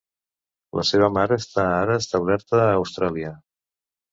La seva mare està ara establerta a Austràlia.